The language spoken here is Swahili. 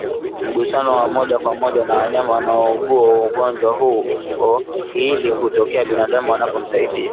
mgusano wa moja kwa moja na wanyama wanaougua ugonjwa huo Hili hutokea binadamu anapomsaidia